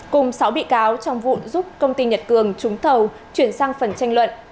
cùng sáu bị cáo trong vụ giúp công ty nhật cường trúng thầu chuyển sang phần tranh luận